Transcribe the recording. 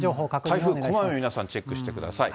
台風、こまめに皆さん、チェックしてください。